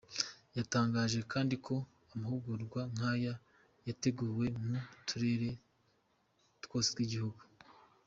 Yatangaje kandi ko amahurwa nk’aya yateguwe mu turere twose tw’igihugu.